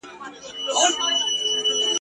بغدادي قاعده په څنګ کي توری ورک د الف لام دی !.